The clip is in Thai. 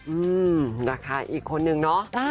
อืมนะคะอีกคนนึงเนาะ